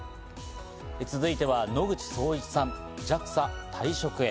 続いては、野口聡一さん、ＪＡＸＡ退職へ。